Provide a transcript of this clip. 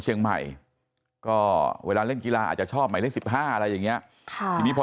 เชียงใหม่ก็เวลาเล่นกีฬาอาจจะชอบหมายเลข๑๕อะไรอย่างนี้ทีนี้พอ